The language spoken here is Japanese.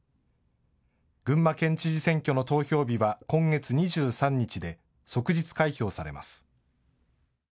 群馬県知事選挙の投票日は今月２３日で、即日開票されます。